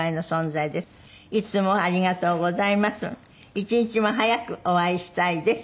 「一日も早くお会いしたいです」